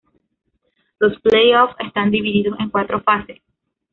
Los play offs están divididos en cuatro fases.